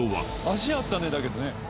足あったねだけどね。